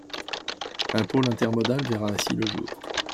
Un pôle intermodal verra ainsi le jour.